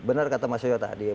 benar kata mas yoyo tadi ya